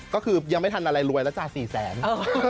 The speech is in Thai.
ก็คือยังไม่ทันอะไรรวยแล้วจ้ะ๔แสน